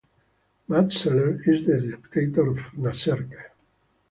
Matt Sellers is the Dictator of Naserke.